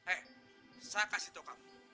eh saya kasih tau kamu